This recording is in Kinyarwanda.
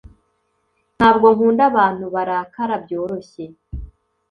Ntabwo nkunda abantu barakara byoroshye